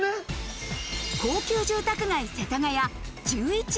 高級住宅街、世田谷。